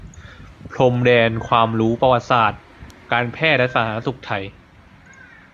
พรมแดนความรู้ประวัติศาสตร์การแพทย์และสาธารณสุขไทย